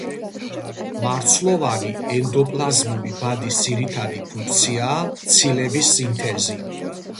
მარცვლოვანი ენდოპლაზმური ბადის ძირითადი ფუნქციაა ცილების სინთეზი.